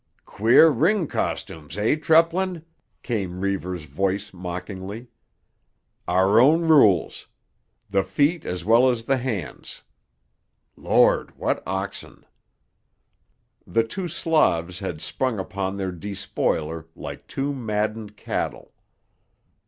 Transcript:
"Queer ring costumes, eh, Treplin?" came Reivers' voice mockingly. "Our own rules; the feet as well as the hands. Lord, what oxen!" The two Slavs had sprung upon their despoiler like two maddened cattle.